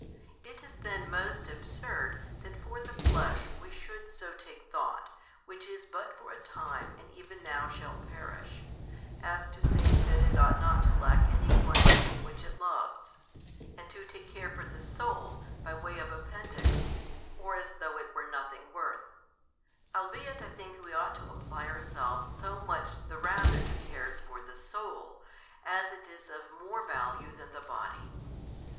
It is then most absurd, that for the flesh we should so take thought, which is but for a time and even now shall perish, as to think that it ought not to lack any one thing which it loves: and to take care for the soul, by way of appendix, or as though it were nothing worth; albeit I think we ought to apply ourselves so much the rather to cares for the soul, as it is of more value than the body.